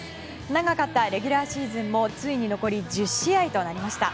長かったレギュラーシーズンもついに残り１０試合となりました。